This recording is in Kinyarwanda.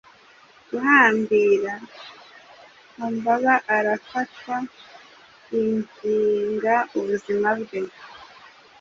guhambira Humbabaarafatwa yinginga ubuzima bwe